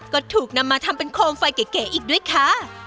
ก็ถูกนำมาทำเป็นโคมไฟเก๋อีกด้วยค่ะ